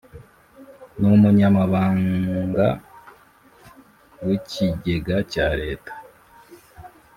n Umunyamabamga w Ikigega cya Leta